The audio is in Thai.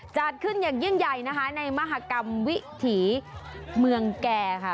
จัดขึ้นอย่างยิ่งใหญ่นะคะในมหากรรมวิถีเมืองแก่ค่ะ